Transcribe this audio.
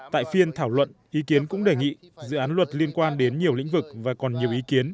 tại phiên thảo luận ý kiến cũng đề nghị dự án luật liên quan đến nhiều lĩnh vực và còn nhiều ý kiến